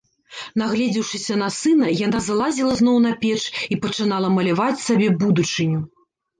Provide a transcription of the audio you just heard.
Нагледзеўшыся на сына, яна залазіла зноў на печ і пачынала маляваць сабе будучыню.